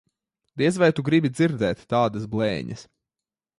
Diez vai tu gribi dzirdēt tādas blēņas.